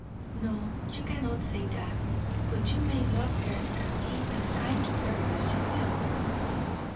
'" "No, you cannot say that; but you may love her and be as kind to her as you will."